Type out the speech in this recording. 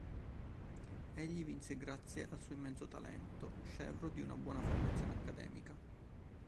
Egli vinse grazie al suo immenso talento, scevro di una buona formazione accademica.